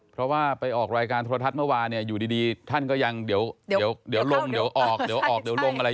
เพราะว่าไปออกรายการธุรทัศน์เมื่อวานี้อยู่ดีท่านก็ยังเดี๋ยวลงออกอะไรอยู่อย่างนี้